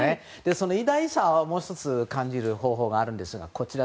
その偉大さをもう１つ感じる方法があるんですがこちら、